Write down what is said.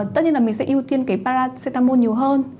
tất nhiên là mình sẽ ưu tiên cái paracetamol nhiều hơn